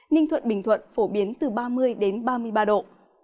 ninh thuận bình thuận phổ biến từ ba mươi đến ba mươi ba độ